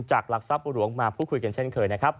หลักทรัพย์หลวงมาพูดคุยกันเช่นเคยนะครับ